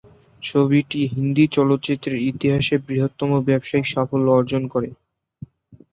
ছবিটি হিন্দি চলচ্চিত্রের ইতিহাসে বৃহত্তম ব্যবসায়িক সাফল্য অর্জন করে।